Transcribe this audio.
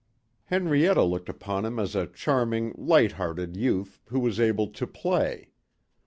Henrietta looked upon him as a charming, light hearted youth who was able "to play."